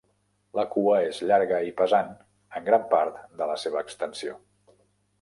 La cua és llarga i pesant en gran part de la seva extensió.